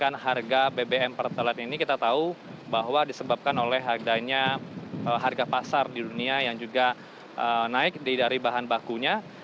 karena harga bbm pertalite ini kita tahu bahwa disebabkan oleh harganya harga pasar di dunia yang juga naik dari bahan bakunya